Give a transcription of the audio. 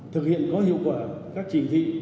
thực hiện có hiệu quả các chỉ thị